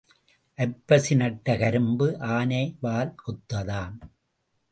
ஐப்பசி நட்ட கரும்பு ஆனை வால் ஒத்ததாம்.